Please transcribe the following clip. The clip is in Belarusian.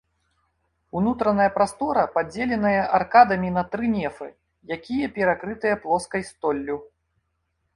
Унутраная прастора падзеленая аркадамі на тры нефы, якія перакрытыя плоскай столлю.